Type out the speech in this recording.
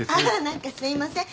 何かすいません。